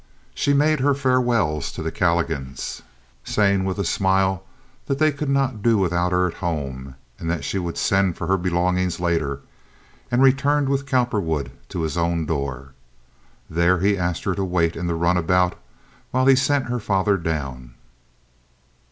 She made her farewells to the Calligans, saying, with a smile, that they could not do without her at home, and that she would send for her belongings later, and returned with Cowperwood to his own door. There he asked her to wait in the runabout while he sent her father down.